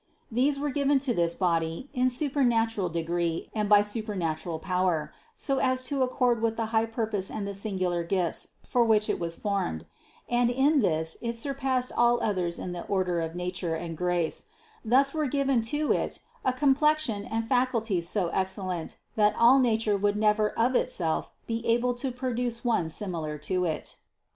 These were given to this body in supernatural degree and by supernatural power, so as to accord with the high purpose and the singular gifts for which it was formed; and in this it surpassed all others in the order of nature and grace Thus were given to it a complexion and faculties so excellent that all nature would never of it self be able to produce one similar to it.